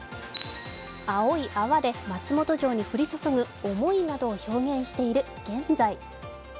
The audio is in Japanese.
青い泡で松本城に降り注ぐ思いなどを表現している現在。